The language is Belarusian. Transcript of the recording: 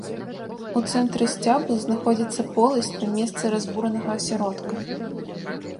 У цэнтры сцябла знаходзіцца поласць на месцы разбуранага асяродка.